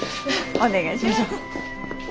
お願いします。